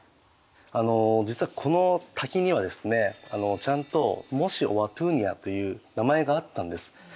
あの実はこの滝にはですねちゃんとモーシ・オア・トゥーニャという名前があったんです。